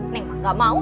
neng mah gak mau